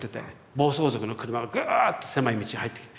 暴走族の車がグーッと狭い道に入ってきて。